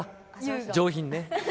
上品ね。